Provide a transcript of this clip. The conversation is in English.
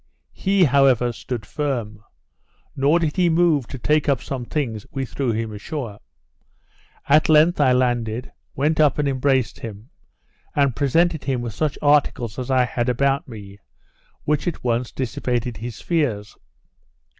He however stood firm; nor did he move to take up some things we threw him ashore. At length I landed, went up and embraced him; and presented him with such articles as I had about me, which at once dissipated his fears.